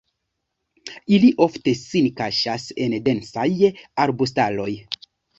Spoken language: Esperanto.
Ili ofte sin kaŝas en densaj arbustaroj.